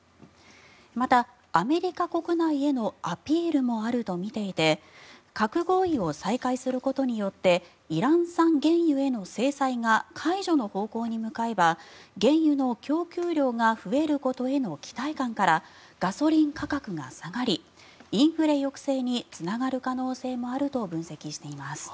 また、アメリカ国内へのアピールもあるとみていて核合意を再開することによってイラン産原油への制裁が解除の方向に向かえば原油の供給量が増えることへの期待感からガソリン価格が下がりインフレ抑制につながる可能性もあると分析しています。